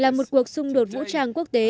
là một cuộc xung đột vũ trang quốc tế